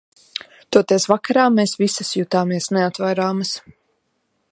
Toties vakarā mēs visas jutāmies neatvairāmas!